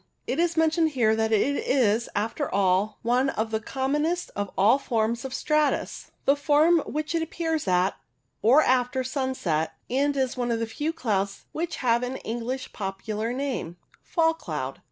It is mentioned here as it is, after all, one of the commonest of all forms of I STRATUS 8 I stratus, the form which appears at, or after, sunset, and is one of the few clouds which have an EngUsh popular name — Fall cloud.